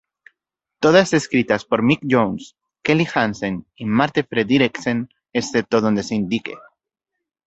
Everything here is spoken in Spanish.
Todas escritas por Mick Jones, Kelly Hansen y Marti Frederiksen, excepto donde se indique.